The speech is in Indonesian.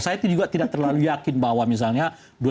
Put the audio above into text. saya juga tidak terlalu yakin bahwa misalnya